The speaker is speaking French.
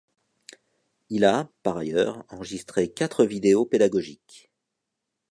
Il a, par ailleurs, enregistré quatre vidéos pédagogiques.